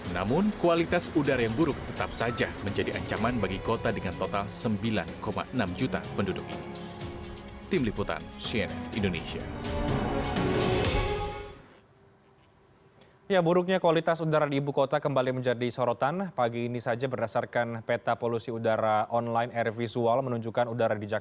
namun kualitas udara yang buruk tetap saja menjadi ancaman bagi kota dengan total sembilan enam juta penduduk ini